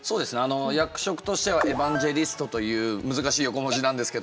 役職としてはエバンジェリストという難しい横文字なんですけど。